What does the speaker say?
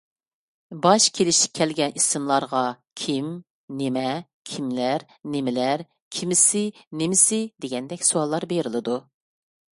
باش كېلىشتە كەلگەن ئىسىملارغا «كىم، نېمە، كىملەر، نېمىلەر، كېمىسى، نېمىسى» دېگەندەك سوئاللار بېرىلىدۇ.